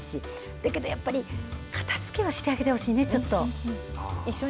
だけどやっぱり片付けはしっかりしてほしいねちょっと。